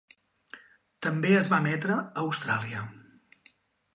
També es va emetre a Austràlia.